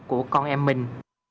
của con em mình